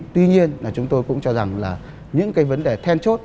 tuy nhiên là chúng tôi cũng cho rằng là những cái vấn đề then chốt